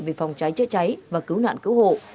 về phòng cháy chữa cháy và cứu nạn cứu hộ